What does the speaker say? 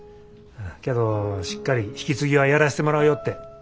けどしっかり引き継ぎはやらしてもらうよって。